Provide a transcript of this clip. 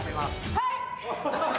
はい！